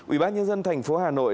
ubnd tp hà nội